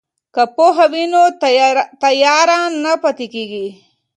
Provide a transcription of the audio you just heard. که پوهنه وي نو تیاره نه پاتیږي.